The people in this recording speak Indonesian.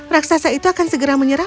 raksasa itu akan segera menyerah